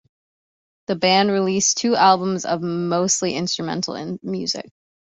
The band released two albums of mostly instrumental music.